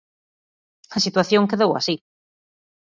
A situación quedou así.